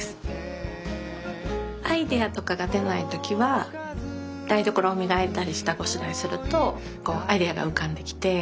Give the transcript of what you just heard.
アイデアとかが出ない時は台所を磨いたり下ごしらえするとこうアイデアが浮かんできて。